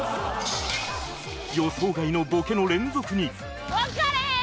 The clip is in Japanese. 予想外のボケの連続に